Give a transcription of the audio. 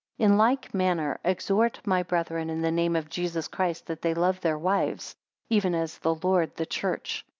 8 In like manner, exhort my brethren in the name of Jesus Christ, that they love their wives, even as the Lord the church.